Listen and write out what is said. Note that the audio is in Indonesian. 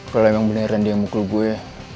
kalau emang beneran dia mukul gue